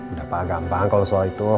udah pak gampang kalau soal itu